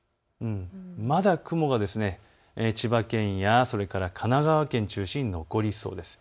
まだ雲が千葉県や神奈川県中心に残りそうです。